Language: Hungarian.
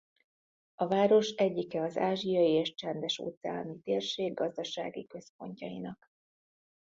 A város egyike az ázsiai és csendes-óceáni térség gazdasági központjainak.